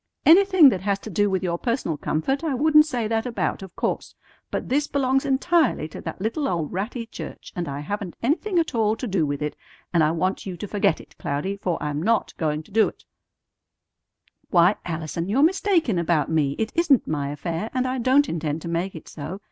Anything that has to do with your personal comfort I wouldn't say that about, of course; but this belongs entirely to that little old ratty church, and I haven't anything at all to do with it; and I want you to forget it, Cloudy, for I'm not going to do it!" "Why, Allison, you're mistaken about me. It isn't my affair, and I don't intend to make it so.